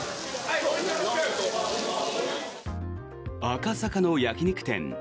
赤坂の焼き肉店。